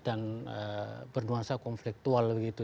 dan berduasa konfliktual begitu